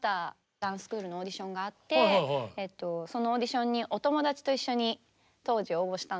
ダンススクールのオーディションがあってそのオーディションにお友達と一緒に当時応募したんですが私だけ受かってしまって。